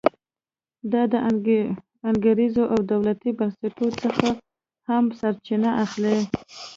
دا د انګېزو او دولتي بنسټونو څخه هم سرچینه اخلي.